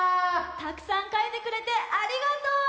たくさんかいてくれてありがとう！